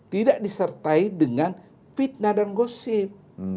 tidak disertai dengan fitnah dan gosip